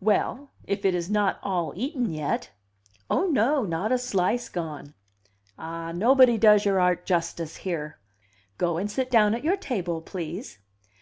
"Well, if it is not all eaten yet " "Oh, no! Not a slice gone." "Ah, nobody does your art justice here!" "Go and sit down at your table, please."